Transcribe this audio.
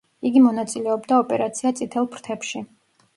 იგი მონაწილეობდა ოპერაცია წითელ ფრთებში.